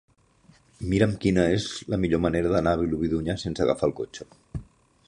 Mira'm quina és la millor manera d'anar a Vilobí d'Onyar sense agafar el cotxe.